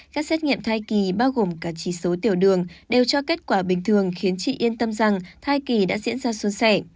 các xét nghiệm thai kỳ bao gồm cả chỉ số tiểu đường đều cho kết quả bình thường khiến chị yên tâm rằng thai kỳ đã diễn ra xuân sẻ